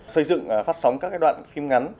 xây dựng phát sóng các đoạn phim ngắn